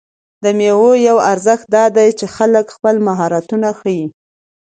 د مېلو یو ارزښت دا دئ، چې خلک خپل مهارتونه ښيي.